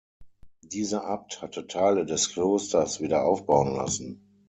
Dieser Abt hatte Teile des Klosters wiederaufbauen lassen.